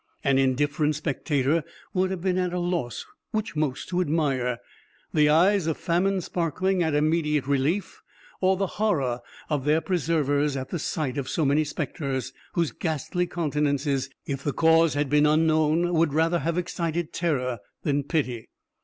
An indifferent spectator would have been at a loss which most to admire—the eyes of famine sparkling at immediate relief, or the horror of their preservers at the sight of so many spectres, whose ghastly countenances, if the cause had been unknown, would rather have excited terror than pity.